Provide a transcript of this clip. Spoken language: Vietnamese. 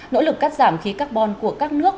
nỗ lực cắt giảm khí carbon của các nước